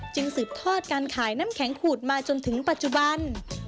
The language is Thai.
สืบทอดการขายน้ำแข็งขูดมาจนถึงปัจจุบัน